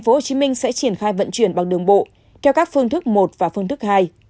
tp hcm sẽ triển khai vận chuyển bằng đường bộ theo các phương thức một và phương thức hai